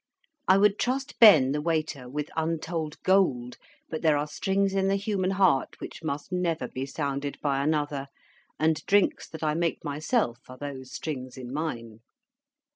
I would trust Ben, the waiter, with untold gold; but there are strings in the human heart which must never be sounded by another, and drinks that I make myself are those strings in mine.